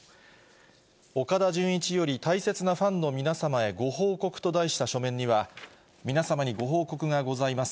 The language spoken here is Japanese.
岡田准一より大切なファンの皆様へご報告と題した書面には、皆様にご報告がございます。